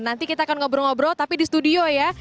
nanti kita akan ngobrol ngobrol tapi di studio ya